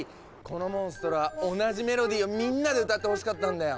このモンストロは同じメロディーをみんなで歌ってほしかったんだよ。